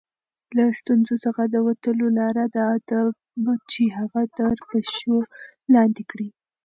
له ستونزو څخه د وتلو لاره دا ده چې هغه تر پښو لاندې کړئ.